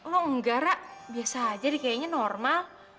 lo enggak ra biasa aja deh kayaknya normal